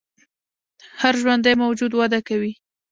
هر ژوندی موجود وده کوي